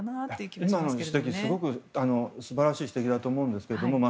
増田さんの今の指摘はすごく素晴らしい指摘だと思うんですが。